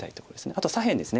あと左辺です。